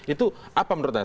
itu apa menurut anda